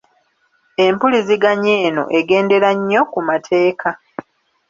Empuliziganya eno egendera nnyo ku mateeka .